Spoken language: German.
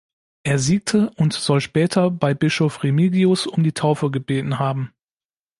Er siegte und soll später bei Bischof Remigius um die Taufe gebeten haben.